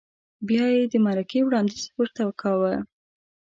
بیا یې د مرکې وړاندیز ورته کاوه؟